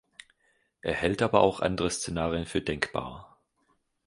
Er hält aber auch andere Szenarien für denkbar.